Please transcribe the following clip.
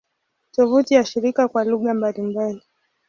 Tovuti ya shirika kwa lugha mbalimbali